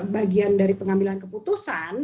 bagian dari pengambilan keputusan